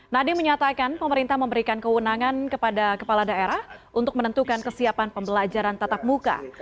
nadiem menyatakan pemerintah memberikan kewenangan kepada kepala daerah untuk menentukan kesiapan pembelajaran tatap muka